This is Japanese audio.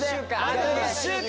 あと１週間！